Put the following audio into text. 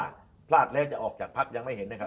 แสดงเจตนาว่าหากพลาดแล้วจะออกจากภักดิ์ยังไม่เห็นนะครับ